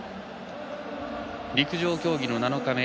陸上競技の７日目。